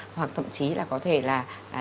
hoặc thậm chí là có thể là